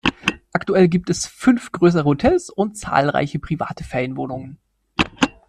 Aktuell gibt es fünf größere Hotels und zahlreiche private Ferienwohnungen.